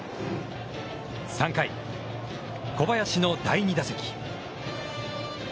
３回、小林の第２打席。